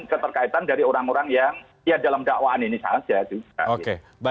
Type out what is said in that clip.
keterkaitan dari orang orang yang dalam dakwaan ini saja